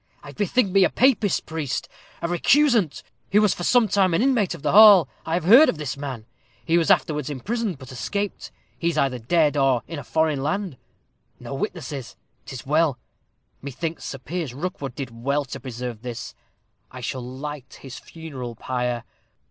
I bethink me a Papist priest a recusant who was for some time an inmate of the hall. I have heard of this man he was afterwards imprisoned, but escaped he is either dead or in a foreign land. No witnesses 'tis well! Methinks Sir Piers Rookwood did well to preserve this. It shall light his funeral pyre.